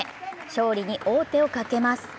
勝利に王手をかけます。